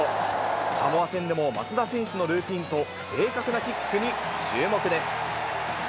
サモア戦でも、松田選手のルーティンと正確なキックに注目です。